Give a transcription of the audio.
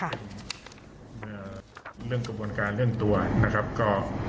เรื่องกระบวนการเรื่องตัวนะครับก็